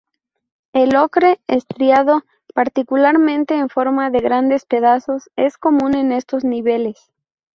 El ocre estriado, particularmente en forma de grandes pedazos, es común en estos niveles.